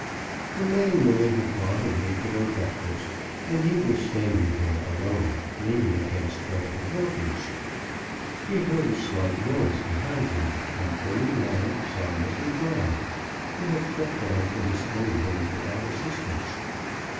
The men and women had gone away to their breakfast, and he was standing there alone, leaning against one of the counters; he heard a slight noise behind him, and, turning round, saw Mr. Brown, who had crept down from his own room without assistance.